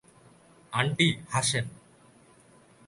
Aunty, Hasen.